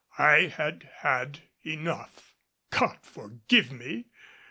I had had enough. God forgive me!